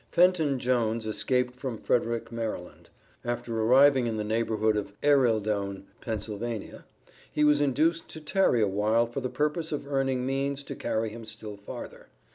Fenton Jones escaped from Frederick, Md. After arriving in the neighborhood of Ereildoun, Pa., he was induced to tarry awhile for the purpose of earning means to carry him still farther.